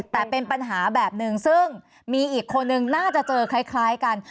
แต่เป็นปัญหาแบบหนึ่งซึ่งมีอีกคนนึงน่าจะเจอคล้ายกัน